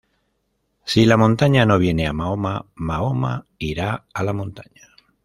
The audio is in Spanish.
Si la montaña no viene a Mahoma, Mahoma irá a la montaña